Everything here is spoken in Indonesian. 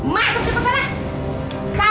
masuk cepet sana